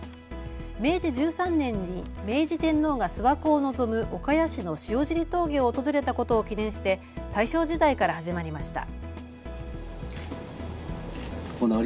明治１３年に明治天皇が諏訪湖を臨む岡谷市の塩尻峠を訪れたことを記念して大正時代から始まりました。